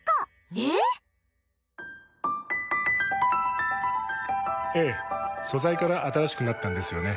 ええ素材から新しくなったんですよね？